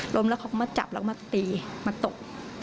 ล้มแล้วเขามาจับแล้วมาตีมาตบ